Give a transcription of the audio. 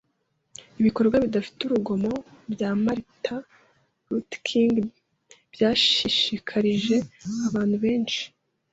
Ibikorwa bidafite urugomo bya Martin Luther King byashishikarije abantu benshi.